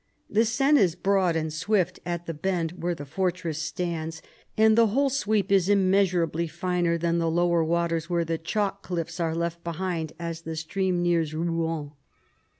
The Seine is broad and swift at the bend where the fortress stands, and the whole sweep is immeasurably finer than the lower waters where the chalk cliffs are left behind as the stream nears Eouen.